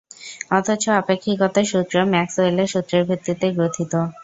অথচ আপেক্ষিকতার সূত্র ম্যাক্সওয়েলের সূত্রের ভিত্তিতেই গ্রোথিত।